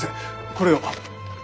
これを。